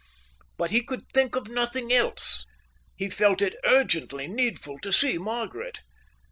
But he could think of nothing else. He felt it urgently needful to see Margaret.